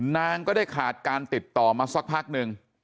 นางก็ได้ขาดการติดต่อมาสักพักหนึ่ง